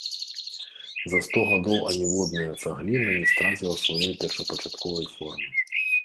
За сто гадоў аніводная цагліна не страціла сваёй першапачатковай формы.